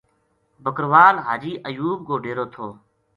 بکروال حاجی ایوب کو ڈیرو تھو۔